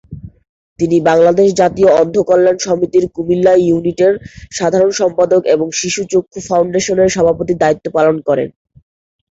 তিনি বাংলাদেশ জাতীয় অন্ধ কল্যাণ সমিতির কুমিল্লা ইউনিটের সাধারণ সম্পাদক এবং শিশু চক্ষু ফাউন্ডেশনের সভাপতির দায়িত্ব পালন করেন।